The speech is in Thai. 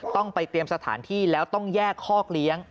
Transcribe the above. ต้องไปเตรียมสถานที่แล้วต้องแยกคอกเลี้ยง